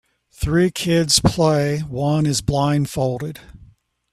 Three kids play one is blindfolded